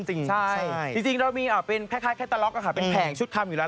จริงเรามีแค่คาดแคตาล็อกเป็นแผงชุดคำอยู่แล้ว